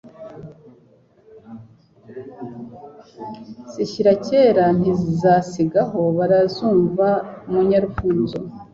Zishyira kera ntizasigahoBarazumva mu Nyarufunzo